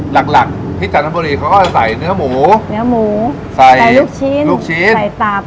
หลักหลักที่จันทบุรีเขาก็จะใส่เนื้อหมูเนื้อหมูใส่ใส่ลูกชิ้นลูกชิ้นใส่ตับ